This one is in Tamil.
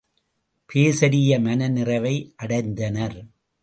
பேசரிய மனநிறைவை அடைந்தனர்.